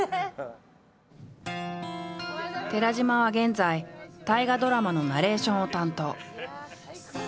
寺島は現在大河ドラマのナレーションを担当。